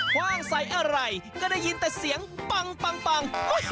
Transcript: คว่างใสอะไรก็ได้ยินแต่เสียงปัง